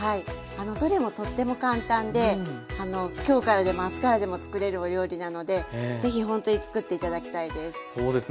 あのどれもとっても簡単で今日からでも明日からでもつくれるお料理なのでぜひほんとにつくって頂きたいです。